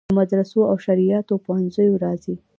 له مدرسو او شرعیاتو پوهنځیو راځي.